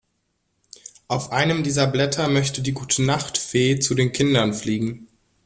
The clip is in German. Auf einem dieser Blätter möchte die „Gute-Nacht-Fee“ zu den Kindern fliegen.